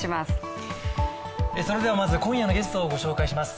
それではまずは、今夜のゲストを紹介します。